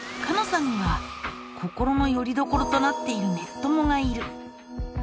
さんには心のよりどころとなっている「ネッ友」がいる。